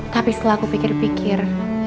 tapi setelah aku pikir pikir